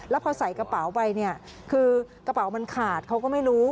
แล้วพอใส่กระเป๋าไปเนี่ยคือกระเป๋ามันขาดเขาก็ไม่รู้